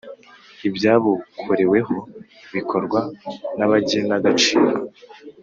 ibyabukoreweho bikorwa n abagenagaciro